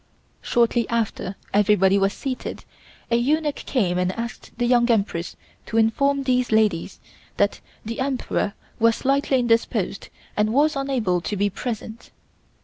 Shortly after everybody was seated a eunuch came and asked the Young Empress to inform these ladies that the Emperor was slightly indisposed and was unable to be present.